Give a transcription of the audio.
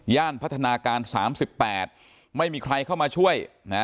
พัฒนาการ๓๘ไม่มีใครเข้ามาช่วย